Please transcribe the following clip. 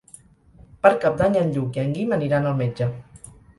Per Cap d'Any en Lluc i en Guim aniran al metge.